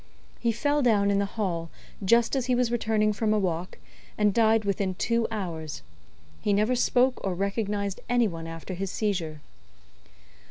He fell down in the hall, just as he was returning from a walk, and died within two hours. He never spoke or recognised any one after his seizure."